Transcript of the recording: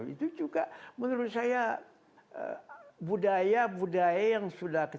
itu juga menurut saya budaya budaya yang sudah kita